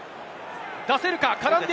出せるか？